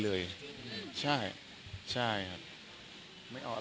เราให้ไปแล้วครับ